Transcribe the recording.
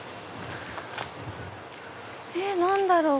え何だろう？